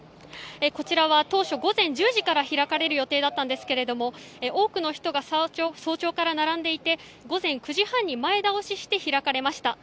こちらは当初、午前１０時から開かれる予定だったんですが多くの人が早朝から並んでいて午前９時半に前倒しして開かれました。